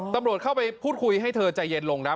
ตำรวจเข้าไปพูดคุยให้เธอใจเย็นลงนะ